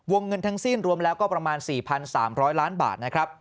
เงินทั้งสิ้นรวมแล้วก็ประมาณ๔๓๐๐ล้านบาทนะครับ